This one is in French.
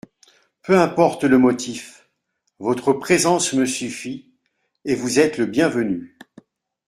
Peu importe le motif, votre présence me suffit et vous êtes le bienvenu.